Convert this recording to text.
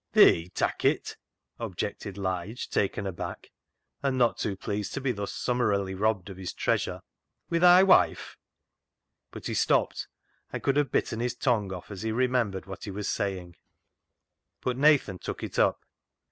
" Thee tak' it ?" objected Lige, taken aback, and not too pleased to be thus summarily robbed of his treasure ;" wi' thy wife "— But he stopped, and could have bitten his tongue off as he remembered what he was saying; but Nathan took it up.